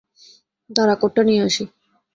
দাঁড়া কোট টা নিয়ে আসি।